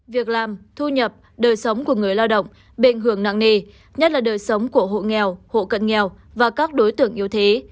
việc làm thu nhập đời sống của người lao động bị ảnh hưởng nặng nề nhất là đời sống của hộ nghèo hộ cận nghèo và các đối tượng yếu thế